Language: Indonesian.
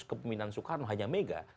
kepemimpinan soekarno hanya mega